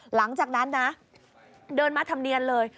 หลังจากนั้นนะเดินมาทำเนียนเลย